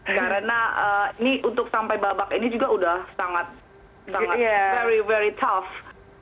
karena ini untuk sampai babak ini juga sudah sangat sangat sangat sangat sangat berusaha